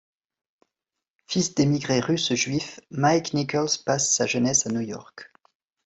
Fils d'émigrés russes juifs, Mike Nichols passe sa jeunesse à New York.